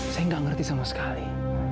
saya nggak ngerti sama sekali